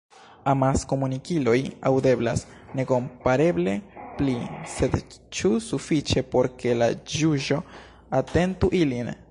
Amaskomunikiloj “aŭdeblas” nekompareble pli, sed ĉu sufiĉe por ke la ĵuĝo atentu ilin?